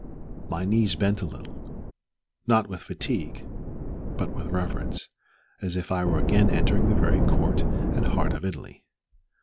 My knees bent a little, not with fatigue, but with reverence, as if I were again entering the very court and heart of Italy.